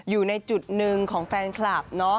อยู่ในจุดหนึ่งของแฟนคลับ